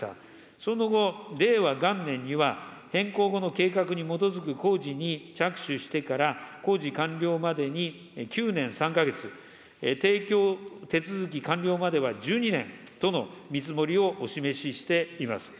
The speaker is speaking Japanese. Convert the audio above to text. その後、令和元年には、変更後の計画に基づく工事に着手してから工事完了までに９年３か月、ていきょう手続き完了までは１２年との見積もりをお示ししています。